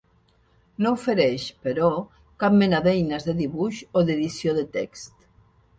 No ofereix, però, cap mena d'eines de dibuix o d'edició de text.